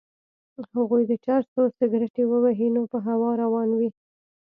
هغوی د چرسو سګرټی ووهي نو په هوا روان وي.